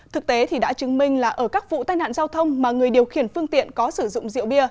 thực tế thì đã chứng minh là ở các vụ tai nạn giao thông mà người điều khiển phương tiện có sử dụng rượu bia